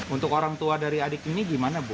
untuk orang tua dari adik ini gimana bu